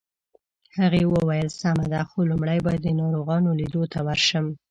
هغې وویل: سمه ده، خو لومړی باید د ناروغانو لیدو ته ورشم.